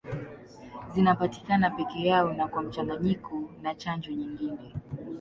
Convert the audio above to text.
Zinapatikana peke yao na kwa mchanganyiko na chanjo nyingine.